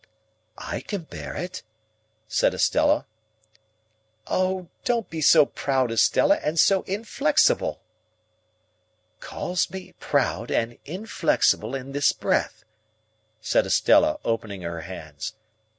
'" "I can bear it," said Estella. "Oh! don't be so proud, Estella, and so inflexible." "Calls me proud and inflexible in this breath!" said Estella, opening her hands.